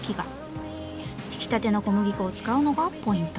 ひきたての小麦粉を使うのがポイント。